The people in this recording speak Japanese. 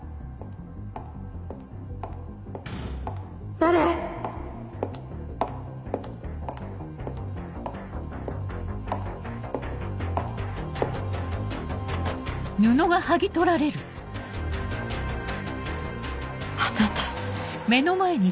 誰⁉あなた。